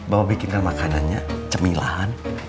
bapak bikinkan makanannya cemilan